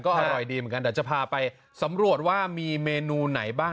อร่อยดีเหมือนกันเดี๋ยวจะพาไปสำรวจว่ามีเมนูไหนบ้าง